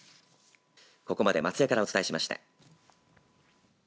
ここまで松江からお伝えしました。